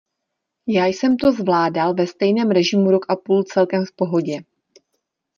Já jsem to zvládal ve stejném režimu rok a půl celkem v pohodě.